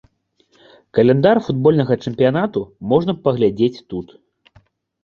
Каляндар футбольнага чэмпіянату можна паглядзець тут.